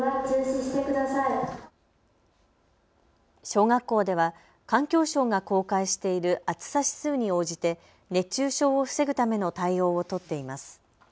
小学校では環境省が公開している暑さ指数に応じて熱中症を防ぐための対応を取っています。